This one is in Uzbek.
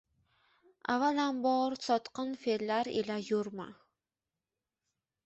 Avvalambor sotqin fellar ila yurma